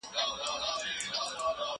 زه د ښوونځی لپاره تياری کړی دی!